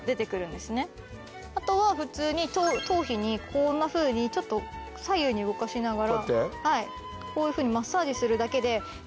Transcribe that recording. あとは普通に頭皮にこんなふうにちょっと左右に動かしながらこういうふうにマッサージするだけで。